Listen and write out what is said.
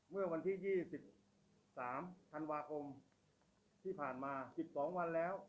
เมื่อวันที่๒๓ธันวาคมที่ผ่านมา๑๒วันแล้ว